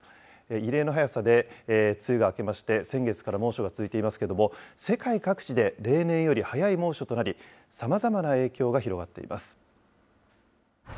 異例の早さで梅雨が明けまして、先月から猛暑が続いていますけれども、世界各地で例年より早い猛暑となり、さまざまな影響が広がっています。